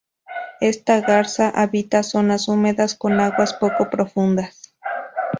Esta garza habita zonas húmedas con aguas poco profundas.